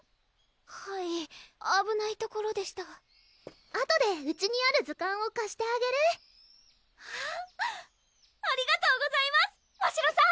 はいあぶないところでしたあとでうちにある図鑑をかしてあげるありがとうございますましろさん！